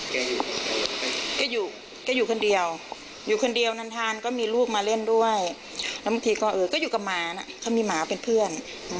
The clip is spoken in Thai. แกอยู่แกอยู่คนเดียวอยู่คนเดียวนานก็มีลูกมาเล่นด้วยแล้วบางทีก็เออก็อยู่กับหมานะเขามีหมาเป็นเพื่อน